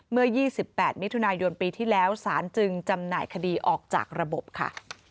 เมื่อ๒๘มิถุนายนปีที่แล้วสารจึงจำหน่ายคดีออกจากระบบค่ะ